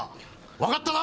わかったな！